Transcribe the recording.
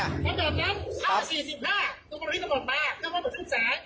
แล้วแบบนั้นค่าสี่สิบห้าตรงบริษัทบอบมาตรงบริษัทบอบทุกแสง